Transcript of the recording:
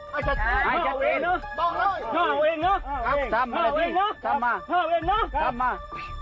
หาเอาเองเนอะทำมา